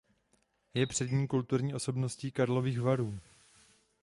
Je přední kulturní osobností Karlových Varů.